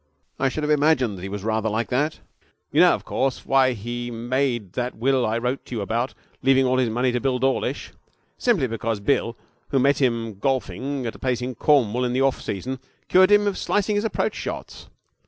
'I should have imagined that he was rather like that. You know, of course, why he made that will I wrote to you about, leaving all his money to Bill Dawlish? Simply because Bill, who met him golfing at a place in Cornwall in the off season, cured him of slicing his approach shots!